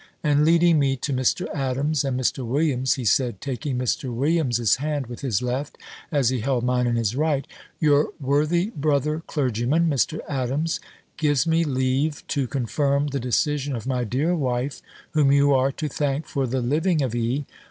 And leading me to Mr. Adams and Mr. Williams, he said, taking Mr. Williams's hand with his left, as he held mine in his right, "Your worthy brother clergyman, Mr. Adams, gives me leave to confirm the decision of my dear wife, whom you are to thank for the living of E.